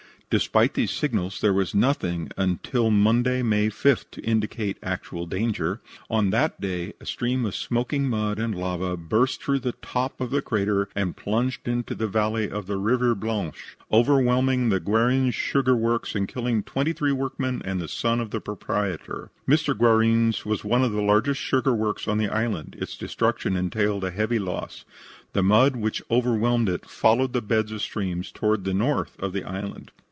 Despite these signals, there was nothing until Monday, May 5th, to indicate actual danger. On that day a stream of smoking mud and lava burst through the top of the crater and plunged into the valley of the River Blanche, overwhelming the Guerin sugar works and killing twenty three workmen and the son of the proprietor. Mr. Guerin's was one of the largest sugar works on the island; its destruction entailed a heavy loss. The mud which overwhelmed it followed the beds of streams towards the north of the island.